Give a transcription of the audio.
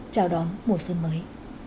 chào đón mùa xuân mới